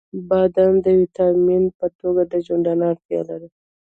• بادام د ویټامین ای په توګه د ژوندانه اړتیا لري.